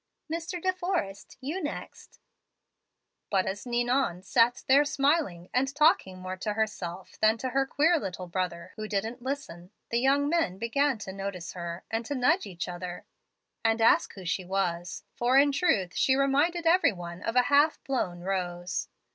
"Mr. De Forrest, you next." "But as Ninon sat there smiling and talking more to herself than to her queer little brother, who didn't listen, the young men began to notice her, and to nudge each other and ask who she was; for in truth she reminded every one of a half blown rose.